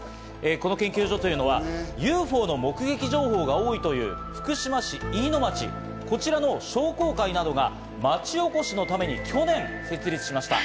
この研究所というのは、ＵＦＯの目撃情報が多いという福島市飯野町、こちらの商工会などが町おこしのために去年設立しました。